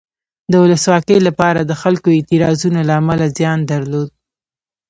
د ولسواکۍ لپاره د خلکو اعتراضونو له امله زیان درلود.